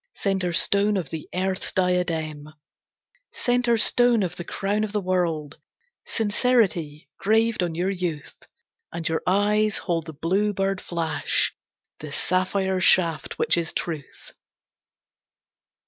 Centre Stone of the earth's diadem! ..... Centre Stone of the Crown of the World, "Sincerity" graved on your youth! And your eyes hold the blue bird flash, The sapphire shaft, which is truth.